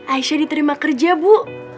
aisyah diterima kerja bu